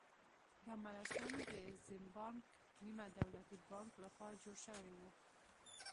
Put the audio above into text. دا مراسم د زیمبانک نیمه دولتي بانک لخوا جوړ شوي وو.